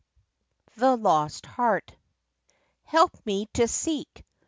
THE LOST HEART. Help me to seek!